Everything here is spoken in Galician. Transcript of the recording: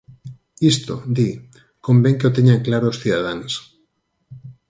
Isto, di, "convén que o teñan claro os cidadáns".